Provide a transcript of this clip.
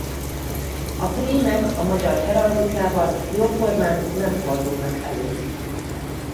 A prémek a magyar heraldikában jóformán nem fordulnak elő.